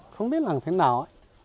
không biết làm thế nào